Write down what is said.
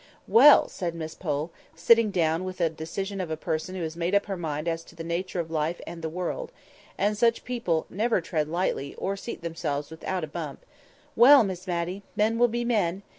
"Well!" said Miss Pole, sitting down with the decision of a person who has made up her mind as to the nature of life and the world (and such people never tread lightly, or seat themselves without a bump), "well, Miss Matty! men will be men.